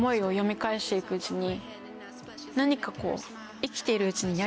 何かこう。